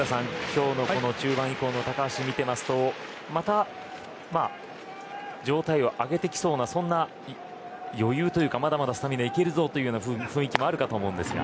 今日の中盤以降の高橋を見てますとまた、状態を上げてきそうなそんな余裕というかまだまだスタミナいけるぞという雰囲気もあると思うんですが。